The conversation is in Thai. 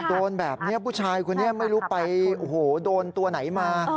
โดนแบบนี้ผู้ชายคนนี้ไม่รู้ไปโอ้โหโดนตัวไหนมา